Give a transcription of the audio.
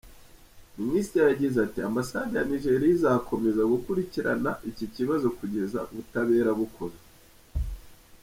Minisitiri yagize ati "Ambasade ya Nigeria izakomeza gukurikirana iki kibazo kugeza ubutabera bukozwe.